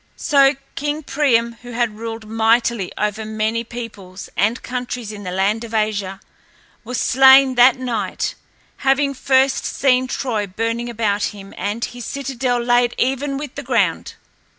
So King Priam, who had ruled mightily over many peoples and countries in the land of Asia, was slain that night, having first seen Troy burning about him and his citadel laid even with the ground.